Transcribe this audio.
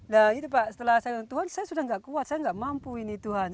nah itu pak setelah saya tuhan saya sudah tidak kuat saya nggak mampu ini tuhan